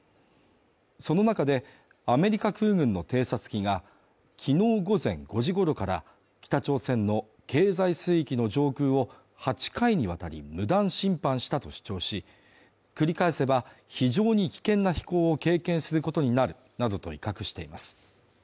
その中で、アメリカ空軍の偵察機が昨日午前５時ごろから北朝鮮の経済水域の上空を８回にわたり無断侵犯したと主張し、繰り返せば非常に危険な飛行を経験することになるなどと威嚇しています。